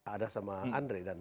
ada sama andre dan